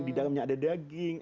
di dalamnya ada daging